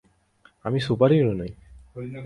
আমি সুপারহিরো নই।